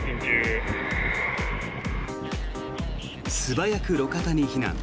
素早く路肩に避難。